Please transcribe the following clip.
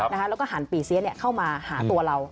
แล้วก็หันปีเสียเข้ามาหาตัวเรา